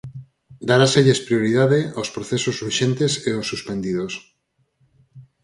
Daráselles prioridade aos procesos urxentes e aos suspendidos.